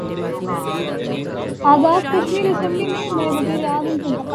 اس نے معاملے پر دوبارہ غور کِیا